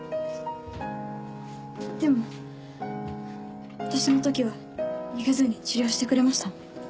でも私の時は逃げずに治療してくれましたね。